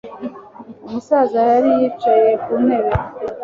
Umusaza yari yicaye ku ntebe.